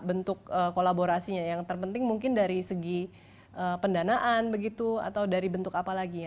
bentuk kolaborasinya yang terpenting mungkin dari segi pendanaan begitu atau dari bentuk apa lagi ya